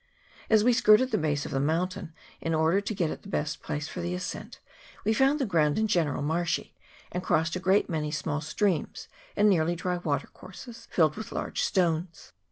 As we skirted the base of the mountain, in order to get at the best place for the ascent, we found the ground in general marshy, and crossed a great many small streams and nearly dry watercourses filled with large stones.